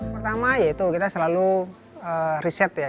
pertama yaitu kita selalu riset ya